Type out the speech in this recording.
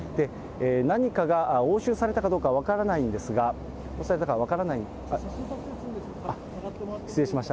何かが押収されたかどうかは分からないんですが、失礼しました。